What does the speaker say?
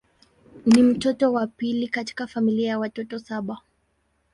Ni mtoto wa pili katika familia ya watoto saba.